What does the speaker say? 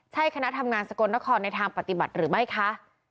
ใช่คณะทำงานสกลนครในทางปฏิบัติหรือไม่คะ